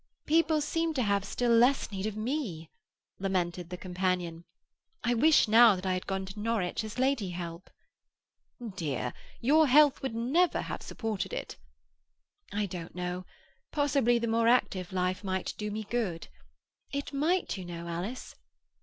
"People seem to have still less need of me," lamented the companion. "I wish now that I had gone to Norwich as lady help." "Dear, your health would never have supported it." "I don't know. Possibly the more active life might do me good. It might, you know, Alice."